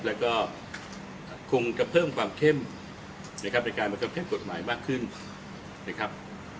แล้วก็คงจะเพิ่มความเข้มนะครับในการบังคับใช้กฎหมายมากขึ้นนะครับ